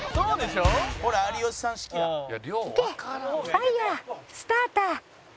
ファイヤースターター！